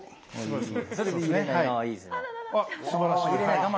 すばらしい。